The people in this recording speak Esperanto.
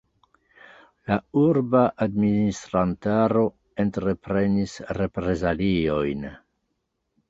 La urba administrantaro entreprenis reprezaliojn.